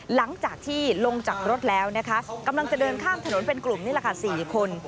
หลังจากที่ลงจากรถแล้วนะคะกำลังจะเดินข้ามถนนเป็นกลุ่มนี่แหละค่ะ๔คน